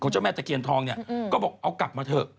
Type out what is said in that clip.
ของเจ้าแม่ตะเคียนทองก็บอกเอากลับมาเถอะ